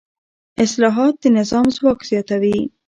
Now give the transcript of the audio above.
اصلاحات د نظام ځواک زیاتوي